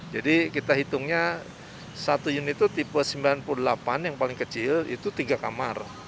jadi kita hitungnya satu unit itu tipe sembilan puluh delapan yang paling kecil itu tiga kamar